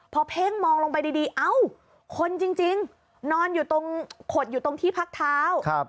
พอเพ้งมองลงไปดีคนจริงคดอยู่ตรงที่พักเท้า